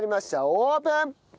オープン！